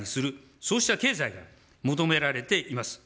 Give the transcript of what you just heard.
そうした経済が求められています。